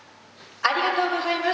ありがとうございます。